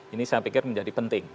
ini saya pikir menjadi penting